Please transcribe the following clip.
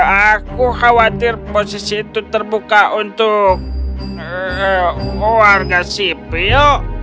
aku khawatir posisi itu terbuka untuk warga sipil